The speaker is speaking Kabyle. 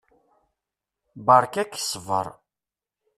Beṛka-k ssbeṛ!